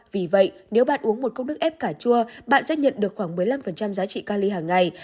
vì vậy nếu bạn uống một cốc nước ép cà chua bạn sẽ nhận được khoảng một mươi năm giá trị ca ly hàng ngày